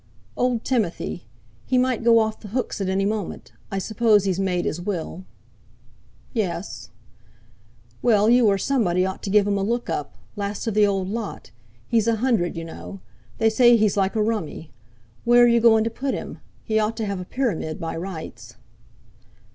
"Old Timothy; he might go off the hooks at any moment. I suppose he's made his Will." "Yes." "Well, you or somebody ought to give him a look up—last of the old lot; he's a hundred, you know. They say he's like a mummy. Where are you goin' to put him? He ought to have a pyramid by rights."